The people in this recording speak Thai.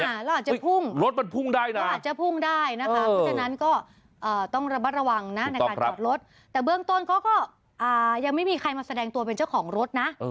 เราอาจจะพุ่งรถมันพุ่งได้นะพูดจากนั้นก็ต้องระวังนะในการจอดรถแต่เบื้องต้นเขาก็ยังไม่มีใครมาแสดงตัวเป็นเจ้าของรถนะ